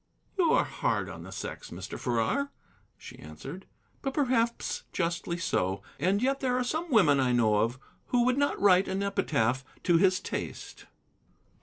"You are hard on the sex, Mr. Farrar," she answered, "but perhaps justly so. And yet there are some women I know of who would not write an epitaph to his taste."